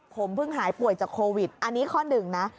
ผมเพิ่งหายป่วยจากโควิดอันนี้ข้อหนึ่งนะ